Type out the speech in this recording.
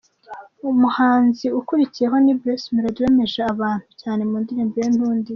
Umuhanzi ukurikiyeho ni Bruce Melody wemeje abantu cyane mu ndirimbo ye Ntundize.